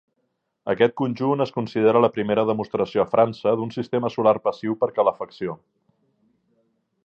Aquest conjunt es considera la primera demostració a França d'un sistema solar passiu per calefacció.